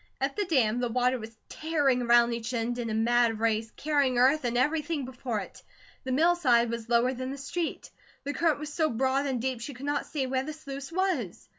At the dam, the water was tearing around each end in a mad race, carrying earth and everything before it. The mill side was lower than the street. The current was so broad and deep she could not see where the sluice was.